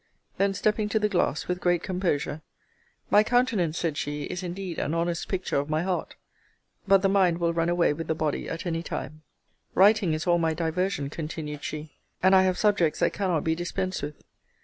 Then stepping to the glass, with great composure, My countenance, said she, is indeed an honest picture of my heart. But the mind will run away with the body at any time. Writing is all my diversion, continued she: and I have subjects that cannot be dispensed with.